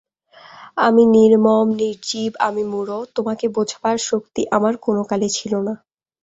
আমি নির্মম, নির্জীব, আমি মূঢ়–তোমাকে বোঝবার শক্তি আমার কোনোকালে ছিল না।